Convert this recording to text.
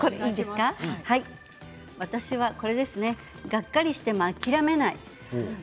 私はガッカリしても諦めない。